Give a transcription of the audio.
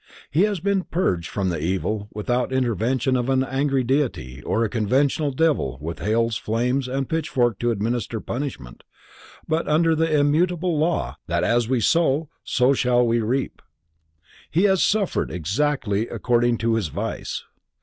He has been purged from that evil without intervention of an angry deity or a conventional devil with hell's flames and pitchfork to administer punishment, but under the immutable law that as we sow so shall we reap, he has suffered exactly according to his vice.